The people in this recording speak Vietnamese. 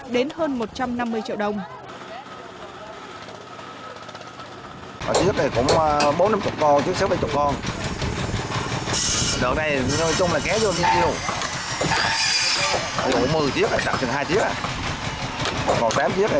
đến hơn một trăm năm mươi triệu đồng